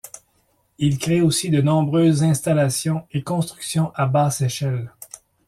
Il crée aussi de nombreuses installations et constructions à basse échelle.